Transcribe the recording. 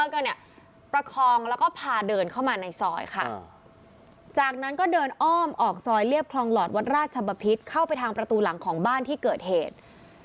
ก็เนี่ยประคองแล้วก็พาเดินเข้ามาในซอยค่ะจากนั้นก็เดินอ้อมออกซอยเรียบคลองหลอดวัดราชบพิษเข้าไปทางประตูหลังของบ้านที่เกิดเหตุ